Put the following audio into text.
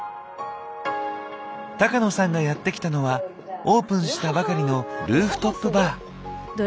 高野さんがやって来たのはオープンしたばかりのルーフトップバー。